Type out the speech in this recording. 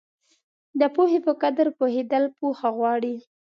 د پوهې په قدر پوهېدل پوهه غواړي.